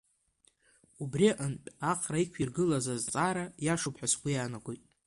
Убри аҟынтә, Ахра иқәиргылаз азҵаара иашоуп ҳәа сгәы иаанагоит.